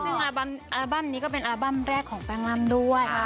ซึ่งอัลบั้มนี้ก็เป็นอัลบั้มแรกของแป้งร่ำด้วย